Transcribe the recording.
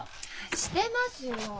してますよ。